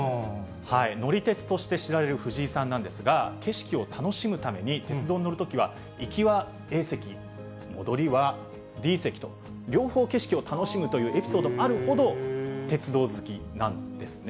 乗り鉄として知られる藤井さんなんですが、景色を楽しむために鉄道に乗るときは、行きはＡ席、戻りはＤ席と、両方景色を楽しむというエピソードもあるほど、鉄道好きなんですね。